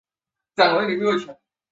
阿古利可拉。